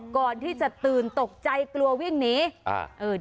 ก่อนที่จะตื่นตกใจกลัววิ่งหนี